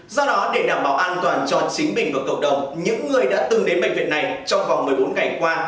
do đó để đảm bảo an toàn cho chính mình và cộng đồng những người đã từng đến bệnh viện này trong vòng một mươi bốn ngày qua